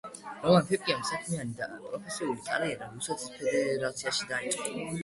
რომან ფიფიამ საქმიანი და პროფესიული კარიერა რუსეთის ფედერაციაში დაიწყო.